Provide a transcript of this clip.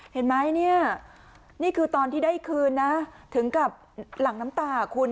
เห็นไหมเนี่ยนี่คือตอนที่ได้คืนนะถึงกับหลังน้ำตาคุณ